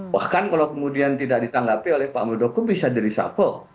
bahkan kalau kemudian tidak ditanggapi oleh pak muldoko bisa di reshuffle